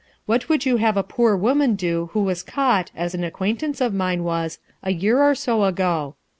What would you have a poor woman do who was caught as an acquaintance of mine was, a year or so ago?